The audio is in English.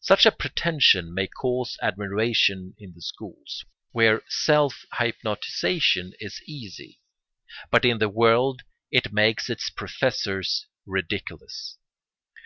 Such a pretension may cause admiration in the schools, where self hypnotisation is easy, but in the world it makes its professors ridiculous.